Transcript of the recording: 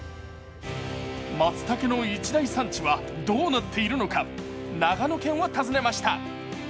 まつたけの一大産地はどうなっているのか、長野県を訪ねました。